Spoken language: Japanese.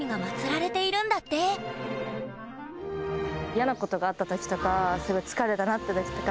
嫌なことがあった時とかすごい疲れたなって時とか